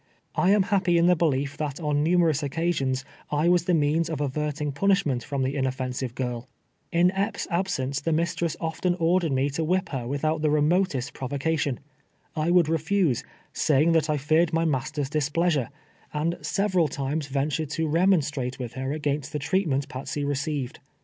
I am happy in the belief that on numerous occasions I was the means of averting punishment from the inoft'ensive girl. In Epps' absence the mistress often ordered me to whip her without the remotest provocat ion. I W( luld refuse, saying that I feared my master's displeasure, and sev eral times ventured to remonstrate with her against the treatment Patsey received.